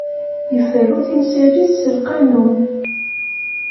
Iferru timsal-is s lqanun.